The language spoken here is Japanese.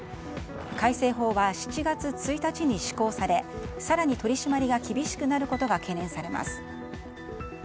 改正法は７月１日に施行され更に取り締まりが厳しくなることが懸念されます。